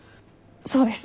そうです